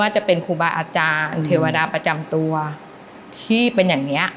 จะเป็นครูบาอาจารย์เทวดาประจำตัวที่เป็นอย่างนี้